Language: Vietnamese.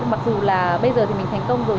mặc dù là bây giờ thì mình thành công rồi